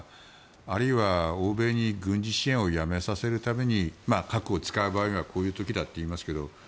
あるいは欧米に軍事支援をやめさせるために核を使う場合はこういう時だって言いますけど